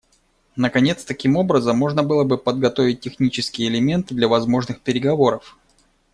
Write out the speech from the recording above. Наконец, таким образом можно было бы подготовить технические элементы для возможных переговоров.